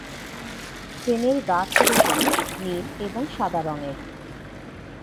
ট্রেনের গা ছিলো হলুদ, নীল এবং সাদা রঙের।